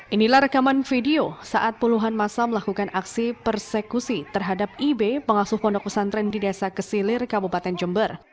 inilah rekaman video saat puluhan masa melakukan aksi persekusi terhadap ib pengasuh pondok pesantren di desa kesilir kabupaten jember